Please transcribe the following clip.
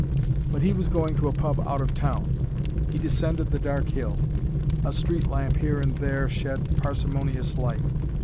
But he was going to a pub out of town. He descended the dark hill. A street lamp here and there shed parsimonious light.